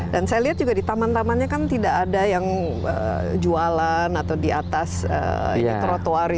dan saya lihat juga di taman tamannya kan tidak ada yang jualan atau di atas trotoar itu